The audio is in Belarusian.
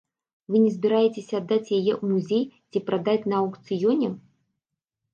Вы не збіраецеся аддаць яе ў музей ці прадаць на аўкцыёне?